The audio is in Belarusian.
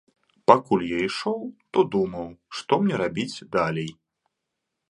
Пакуль я ішоў, то думаў, што мне рабіць далей.